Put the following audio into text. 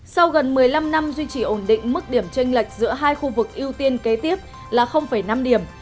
sau gần một mươi năm năm duy trì ổn định mức điểm tranh lệch giữa hai khu vực ưu tiên kế tiếp là năm điểm